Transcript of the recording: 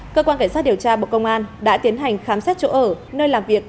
cơ quan cảnh sát điều tra bộ công an đã tiến hành khám xét chỗ ở nơi làm việc